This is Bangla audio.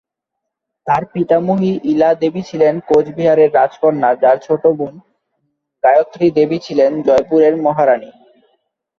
তাঁর পিতামহী, ইলা দেবী ছিলেন কোচবিহারের রাজকন্যা, যার ছোট বোন গায়ত্রী দেবী ছিলেন জয়পুরের মহারাণী।